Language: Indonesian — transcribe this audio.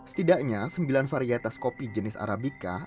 setidaknya sembilan varietas kopi jenis arabica